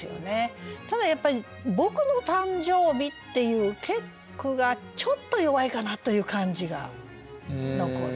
ただやっぱり「僕の誕生日」っていう結句がちょっと弱いかなという感じが残る。